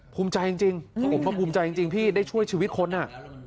ภูมิใจจริงผมก็ภูมิใจจริงพี่ได้ช่วยชีวิตคนอ่ะ